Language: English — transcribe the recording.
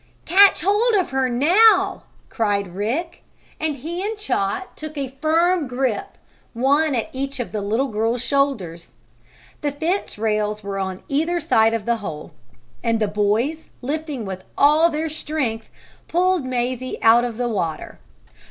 "Catch hold of her, now!" cried Rick, and he and Chot took a firm grip, one at each of the little girl's shoulders. The fence rails were on either side of the hole, and the boys, lifting with all their strength, pulled Mazie out of the water.